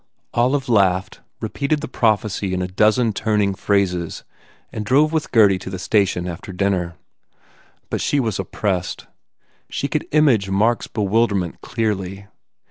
Olive laughed, repeated the prophecy in a dozen turning phrases and drove with Gurdy to the station after dinner. But she was oppressed. She could image Mark s bewilderment clearly.